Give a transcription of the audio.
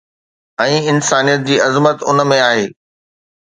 ۽ انسانيت جي عظمت ان ۾ آهي